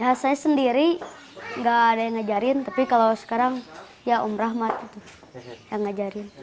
ya saya sendiri nggak ada yang ngajarin tapi kalau sekarang ya om rahmat yang ngajarin